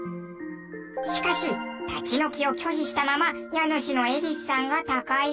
しかし立ち退きを拒否したまま家主のエディスさんが他界。